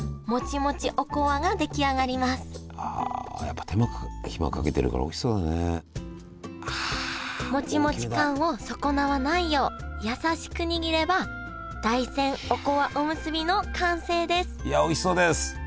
モチモチ感を損なわないよう優しく握れば大山おこわおむすびの完成ですいやおいしそうです！